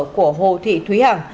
của hồ thị thúy hằng